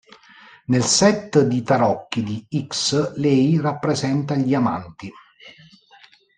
Nel set di tarocchi di "X", lei rappresenta "gli Amanti".